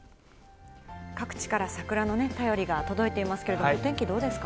各地から桜のね、便りが届いていますけれども、お天気どうですか。